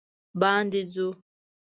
باندې ځو